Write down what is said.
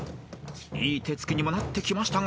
［いい手つきにもなってきましたが］